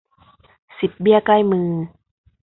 สิบเบี้ยใกล้มือ